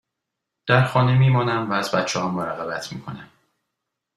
در خانه می مانم و از بچه ها مراقبت می کنم.